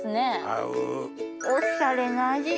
合う。